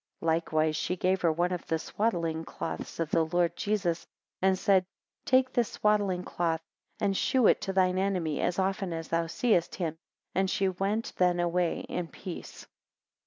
13 Likewise she gave her one of the swaddling cloths of the Lord Jesus, and said, Take this swaddling cloth, and shew it to thine enemy as often as thou seest him and she sent them away in peace.